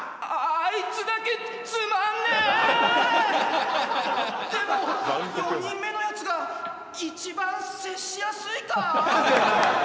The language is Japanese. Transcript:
あいつだけつまんねえでも４人目のやつが一番接しやすいか？